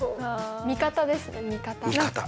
味方ですね味方。